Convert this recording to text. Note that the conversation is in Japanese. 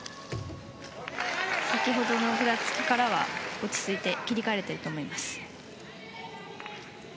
先ほどのふらつきからは落ち着いていて切り替えていると思います。